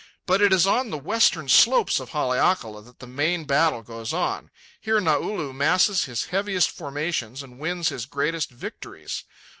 But it is on the western slopes of Haleakala that the main battle goes on. Here Naulu masses his heaviest formations and wins his greatest victories.